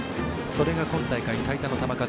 それが、今大会最多の球数。